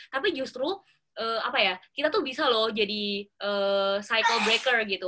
tapi justru apa ya kita tuh bisa loh jadi cycle breaker gitu